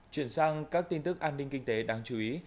chuyển sang các tin tức an ninh kinh tế đáng chú ý